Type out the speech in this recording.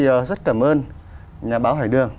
bây giờ rất cảm ơn nhà báo hải đường